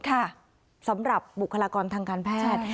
ค่ะสำหรับบุคลากรทางการแพทย์